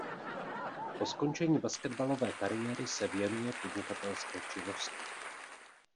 Po skončení basketbalové kariéry se věnuje podnikatelské činnosti.